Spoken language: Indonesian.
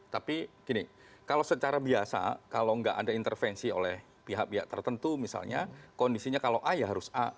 tapi gini kalau secara biasa kalau nggak ada intervensi oleh pihak pihak tertentu misalnya kondisinya kalau a ya harus a